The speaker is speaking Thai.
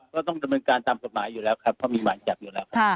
ก็ต้องจะบรรยาการตามสมัยอยู่แล้วครับเพราะมีหวานจับอยู่แล้วค่ะ